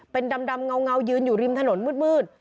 เป็นดำเงายืนอยู่ริมถนนมืด